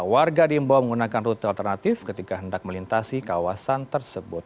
warga diimbau menggunakan rute alternatif ketika hendak melintasi kawasan tersebut